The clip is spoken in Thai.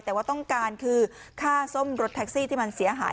แต่ว่าต้องการคือค่าซ่อมรถแท็กซี่ที่มันเสียหาย